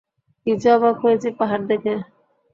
কী যে অবাক হয়েছি পাহাড় দেখে।